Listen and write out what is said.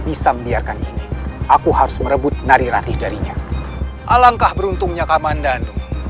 bisa membiarkan ini aku harus merebut narirati darinya alangkah beruntungnya kamandanu